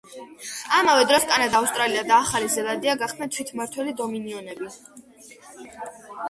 ამავე დროს, კანადა, ავსტრალია და ახალი ზელანდია გახდნენ თვითმმართველი დომინიონები.